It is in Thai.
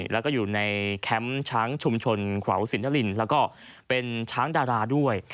แล้วก็อยู่ในแคมป์ช้างชุมชนขวาวสินทรลินแล้วก็เป็นช้างดาราด้วย